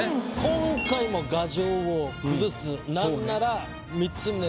今回も牙城を崩す何なら。